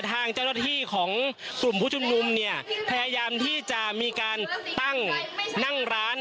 ทางเจ้าหน้าที่ของกลุ่มผู้ชุมนุมเนี่ยพยายามที่จะมีการตั้งนั่งร้าน